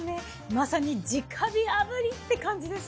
まさに直火あぶりって感じです。